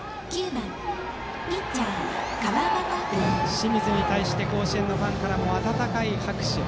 清水に対して甲子園のファンから温かな拍手。